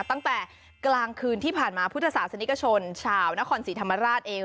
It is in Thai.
ตั้งแต่กลางคืนที่ผ่านมาพุทธศาสนิกชนชาวนครศรีธรรมราชเอง